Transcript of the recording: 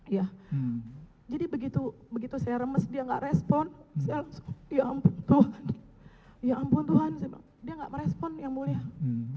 iya jadi begitu saya remes dia gak respon saya langsung ya ampun tuhan ya ampun tuhan dia gak merespon yang mulia